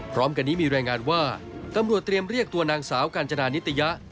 พร้อมกันนี้มีรายงานว่าตำรวจเตรียมเรียกตัวนางสาวกาญจนานิตยะ